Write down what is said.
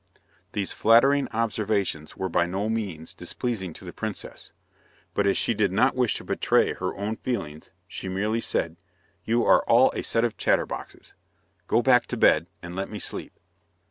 These flattering observations were by no means displeasing to the princess, but as she did not wish to betray her own feelings she merely said, "You are all a set of chatterboxes; go back to bed, and let me sleep."